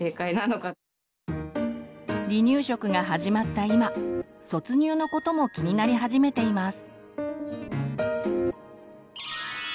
離乳食が始まった今卒乳のことも気になり始めています。